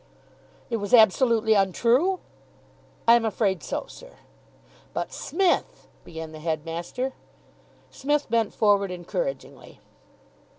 "It was absolutely untrue?" "I am afraid so, sir." "But, Smith " began the headmaster. Psmith bent forward encouragingly.